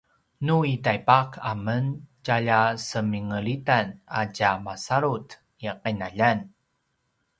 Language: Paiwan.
nu i taipaq amen tjalja semingelitan a tja masalut i qinaljan